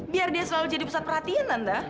biar dia selalu jadi pusat perhatian anda